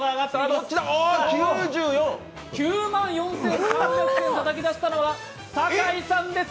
９万４３００点たたき出したのは酒井さんです。